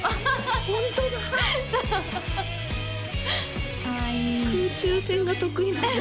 ホントだそうかわいい空中戦が得意なんだ